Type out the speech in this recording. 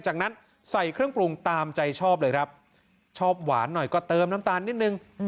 จากนั้นใส่เครื่องปรุงตามใจชอบเลยครับชอบหวานหน่อยก็เติมน้ำตาลนิดนึง